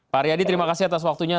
pak aryadi terima kasih atas waktunya